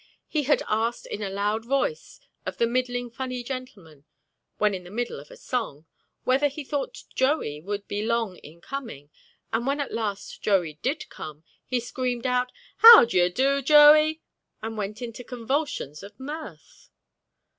He had asked in a loud voice of the middling funny gentleman (then in the middle of a song) whether he thought Joey would be long in coming, and when at last Joey did come he screamed out, "How do you do, Joey!" and went into convulsions of mirth.